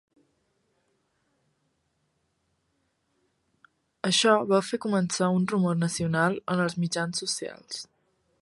Això va fer començar un rumor nacional en els mitjans socials.